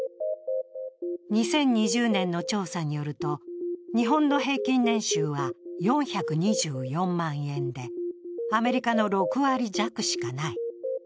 ２０２０年の調査によると日本の平均年収は４２４万円で、アメリカの６割弱しかない。